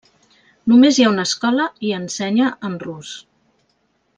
Només hi ha una escola i ensenya en rus.